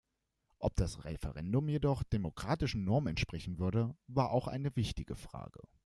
Ob das Referendum jedoch demokratischen Normen entsprechen würde, war auch eine wichtige Frage.